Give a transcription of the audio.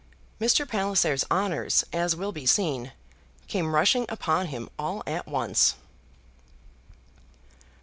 Mr. Palliser's honours, as will be seen, came rushing upon him all at once.